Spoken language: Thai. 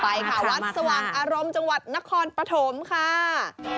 ไปค่ะวัดสว่างอารมณ์จังหวัดนครปฐมค่ะ